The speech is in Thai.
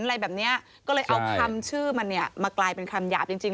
อะไรแบบเนี้ยก็เลยเอาคำชื่อมันเนี่ยมากลายเป็นคำหยาบจริงจริง